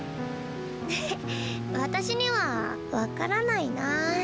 えへっ私には分からないなあ。